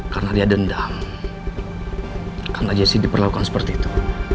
karena dia dendam karena jessi diperlakukan seperti itu